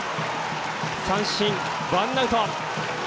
三振、ワンアウト。